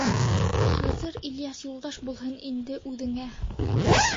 - Хызыр Ильяс юлдаш булһын инде үҙеңә.